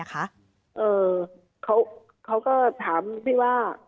เขาก็ถามพี่ว่า